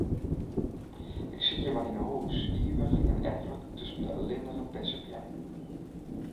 Ik sit hjir mar yn 'e hûs, ivich en erflik tusken dy ellindige perzikbeammen.